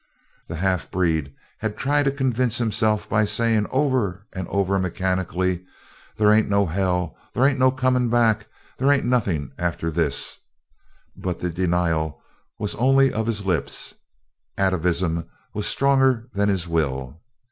The half breed had tried to convince himself by saying over and over mechanically: "There ain't no hell there ain't no comin' back there ain't nothin' after this," but the denial was only of the lips atavism was stronger than his will.